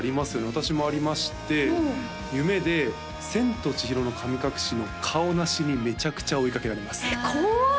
私もありまして夢で「千と千尋の神隠し」のカオナシにめちゃくちゃ追いかけられます怖っ！